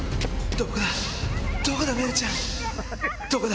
どこだ？